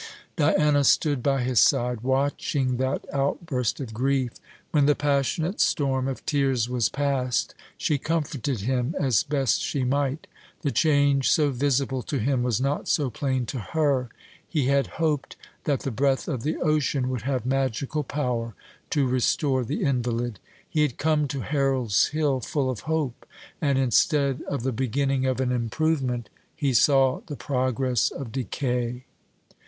Diana stood by his side watching that outburst of grief. When the passionate storm of tears was past, she comforted him as best she might. The change so visible to him was not so plain to her. He had hoped that the breath of the ocean would have magical power to restore the invalid. He had come to Harold's Hill full of hope, and instead of the beginning of an improvement he saw the progress of decay.